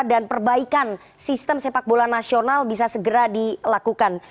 dan perbaikan sistem sepak bola nasional bisa segera dilakukan